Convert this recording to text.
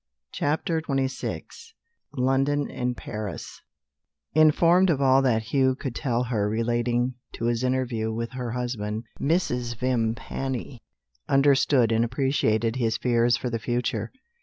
CHAPTER XXVI LONDON AND PARIS INFORMED of all that Hugh could tell her relating to his interview with her husband, Mrs. Vimpany understood and appreciated his fears for the future.